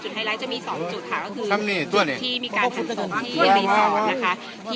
จุดไฮไลท์จะมี๒จุดค่ะก็คือจุดที่มีการหั่นศพที่รีสอร์ทนะคะ